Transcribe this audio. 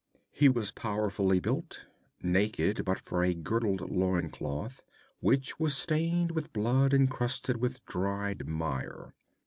He was powerfully built, naked but for a girdled loincloth, which was stained with blood and crusted with dried mire.